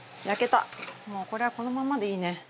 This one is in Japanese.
もうこれはこのままでいいね。